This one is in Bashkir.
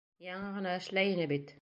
Яңы ғына эшләй ине бит.